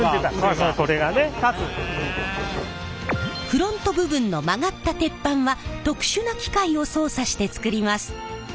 フロント部分の曲がった鉄板は特殊な機械を操作して作ります。